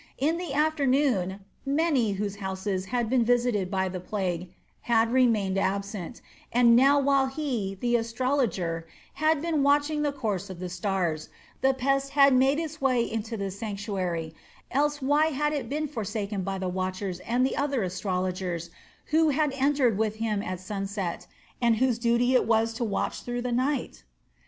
In the afternoon many whose houses had been visited by the plague had remained absent, and now while he, the astrologer, had been watching the course of the stars, the pest had made its way into this sanctuary, else why had it been forsaken by the watchers and the other astrologers who had entered with him at sunset, and whose duty it was to watch through the night?